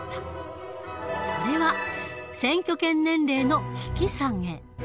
それは選挙権年齢の引き下げ。